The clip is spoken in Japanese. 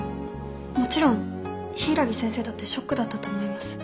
もちろん柊木先生だってショックだったと思います